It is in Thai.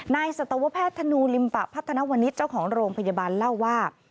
สัตวแพทย์ธนูลิมปะพัฒนาวนิดเจ้าของโรงพยาบาลเล่าว่า